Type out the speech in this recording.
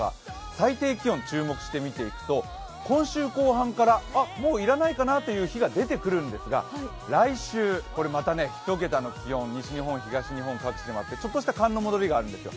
最低気温に注目して見ていくと、今週後半からあっ、もういらないかなという日が出てくるんですが来週、また１桁の気温、西日本、東日本各地にあってちょっとした寒の戻りがあるんですよ。